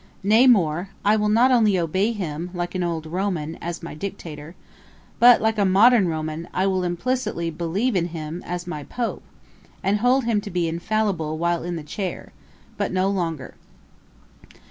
Nay more, I will not only obey him, like an old Roman, as my dictator, but, like a modern Roman, I will implicitly believe in him as my Pope, and hold him to be infallible while in the chair, but no longer.